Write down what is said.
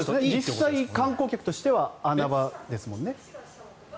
実際、観光客としては穴場ですもんね。